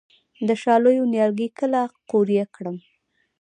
د شالیو نیالګي کله قوریه کړم؟